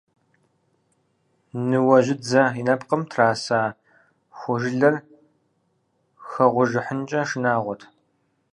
Ныуэжьыдзэ и нэпкъым траса ху жылэр хэгъухьыжынкӏэ шынагъуэт.